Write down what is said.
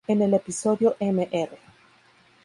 En el episodio "Mr.